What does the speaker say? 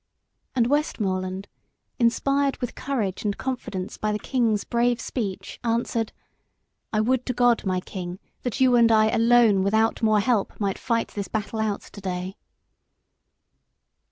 And Westmoreland, inspired with courage and confidence by the king's brave speech, answered "I would to God, my king, that you and I alone without more help might fight this battle out to day."